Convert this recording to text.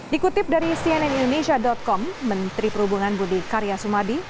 dikutip dari cnn indonesia com menteri perhubungan budi karya sumadi